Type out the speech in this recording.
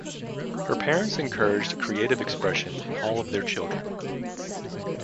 Her parents encouraged creative expression in all their children.